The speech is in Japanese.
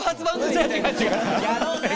やろうぜ！